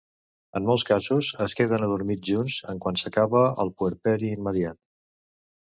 En molts casos es queden adormits junts en quant s'acaba el puerperi immediat.